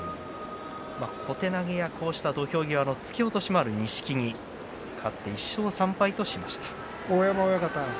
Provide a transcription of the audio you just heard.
小手投げ土俵際、突き落としもある錦木勝って１勝３敗としました。